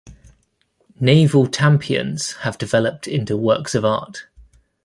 Naval tampions have developed into works of art.